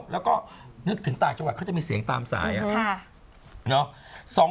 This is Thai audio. แล้วก็นึกถึงต่างจังหวัดเขาจะมีเสียงตามสาย